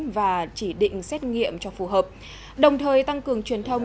và chỉ định xét nghiệm cho phù hợp đồng thời tăng cường truyền thông